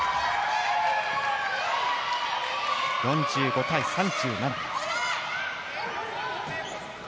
４５対３７。